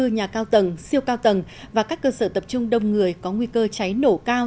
hai mươi nhà cao tầng siêu cao tầng và các cơ sở tập trung đông người có nguy cơ cháy nổ cao